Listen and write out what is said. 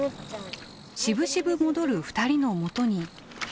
しぶしぶ戻る２人のもとに。